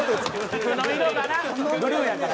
服の色がなブルーやからな。